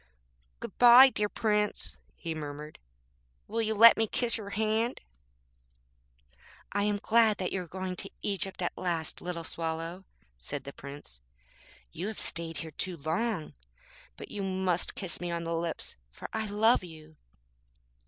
'Good bye, dear Prince!' he murmured, 'will you let me kiss your hand?' < 9 > 'I am glad that you are going to Egypt at last, little Swallow,' said the Prince, 'you have stayed too long here; but you must kiss me on the lips, for I love you.'